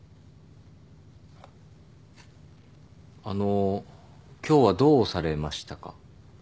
あの今日はどうされましたか？